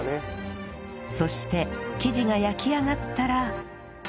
そして生地が焼き上がったら